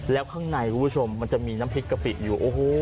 แล้วข้างในคุณผู้ชมมันจะมีน้ำพริกกะปิอยู่โอ้โห